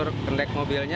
dan kendek mobilnya